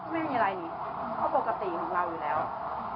ไม่มีอะไรอ่ะนี่เขาปกติของเราอยู่แล้วอืม